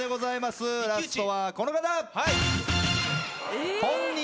ラストはこの方！